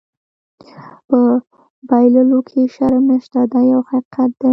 په بایللو کې شرم نشته دا یو حقیقت دی.